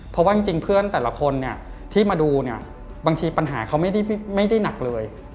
เพราะว่าเพื่อนแต่ละคนที่มาดูบางทีปัญหาเขาไม่ได้หนักเลย